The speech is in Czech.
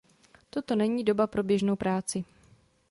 Toto není doba pro běžnou práci.